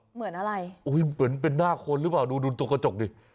เหมือนเป็นหน้าค้นหรือเปล่าดูตรงกระจกสิ